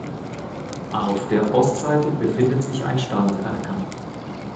Auf der Ostseite befindet sich ein Standerker.